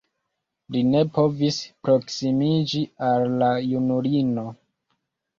Li ne povis proksimiĝi al la junulino.